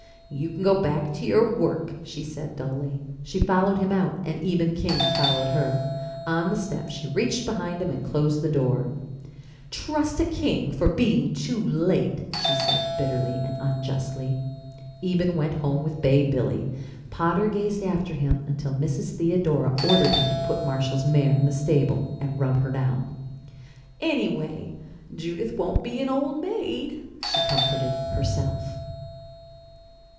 "You can go back to your work," she said dully. She followed him out and Eben King followed her. On the step she reached behind him and closed the door. "Trust a King for being too late!" she said bitterly and unjustly. Eben went home with Bay Billy. Potter gazed after him until Mrs. Theodora ordered him to put Marshall's mare in the stable and rub her down. "Anyway, Judith won't be an old maid," she comforted herself.